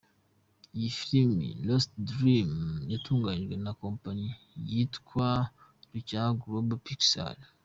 Iyi film ‘Lost Dream’ yatunganyijwe na kompanyi yitwa Rucyaha Global Pixels .